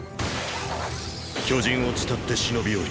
巨人を伝って忍び寄り。